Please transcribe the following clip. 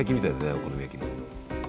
お好み焼きの。